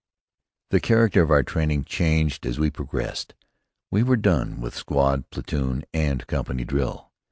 The character of our training changed as we progressed. We were done with squad, platoon, and company drill.